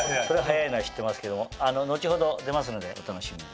早いのは知ってますけど後ほど出ますのでお楽しみ。